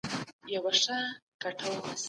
خو وروسته خلکو دا اقدام وستایه.